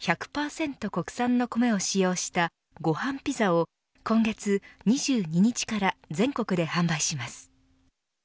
国産の米を使用したごはんピザを今月２２日から全国で販売します。